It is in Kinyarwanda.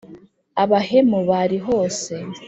abahemu bari hose